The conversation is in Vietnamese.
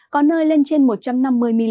có nơi lên trời